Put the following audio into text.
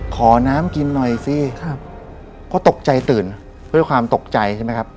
ขอน้ำกินหน่อยสิครับเพราะตกใจตื่นด้วยความตกใจใช่ไหมครับ